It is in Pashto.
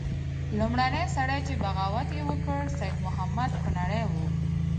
لومړنی سړی چې بغاوت یې وکړ سید محمود کنړی وو.